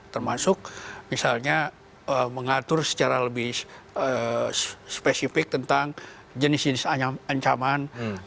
termasuk misalnya mengatur secara lebih spesifik tentang jenis jenis ancaman